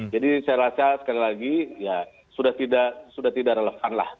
jadi saya rasa sekali lagi ya sudah tidak relevan lah